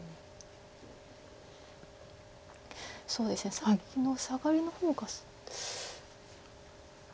そうですねさっきのサガリの方が。